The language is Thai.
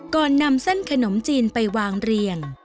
ก่อนนำเส้นขนมจีนไปวางเรียง